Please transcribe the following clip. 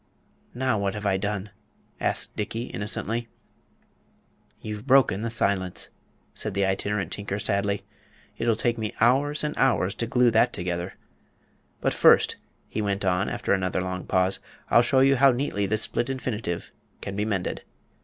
"Now what have I done?" asked Dickey, innocently. "You've broken the silence," said the Itinerant Tinker, sadly. "It'll take me hours and hours to glue that together. But first," he went on, after another long pause, "I'll show you how neatly this split infinitive can be mended."